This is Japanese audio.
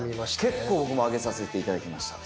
結構上げさせていただきました